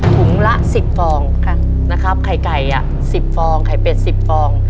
ถุงละสิบฟองค่ะนะครับไข่ไก่สิบฟองไข่เป็ดสิบฟอง